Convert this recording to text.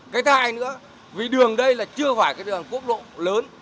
cái thai nữa vì đường đây là chưa phải cái đường cốp độ lớn